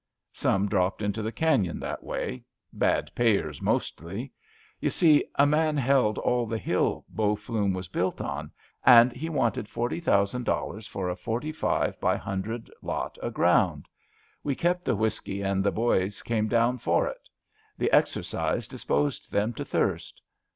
Some dropped into the canon that way— bad payers mostly. You see, a man held all the hill Bow Flume was built on, and ho wanted forty thousand dollars for a forty five 188 ABAFT THE FUNNEL by hundred lot o* ground. We kept the whisky and the boys came down for it. The exercise dis posed them to thirst.